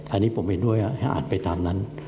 อันนี้ผมเห็นด้วยให้อาจไปตามนั้น